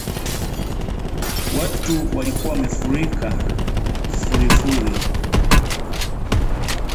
Watu walikuwa wamefurika furifuri